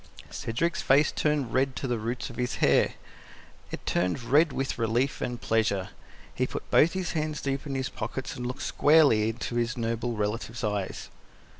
Cedric's face turned red to the roots of his hair; it turned red with relief and pleasure. He put both his hands deep into his pockets and looked squarely into his noble relative's eyes.